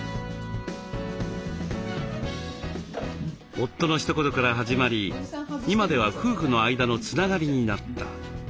夫のひと言から始まり今では夫婦の間のつながりになったアペロ。